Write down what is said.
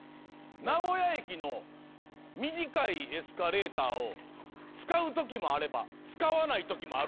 「名古屋駅の短いエスカレーターを使うときもあれば使わないときもある」